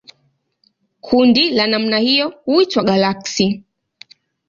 Kundi la namna hiyo huitwa galaksi.